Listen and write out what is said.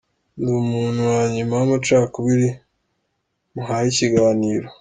Ndi umuntu wa nyuma w’amacakubiri muhaye ikiganiro.